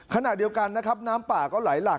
ขณะเดียวกันนะครับน้ำป่าก็ไหลหลัก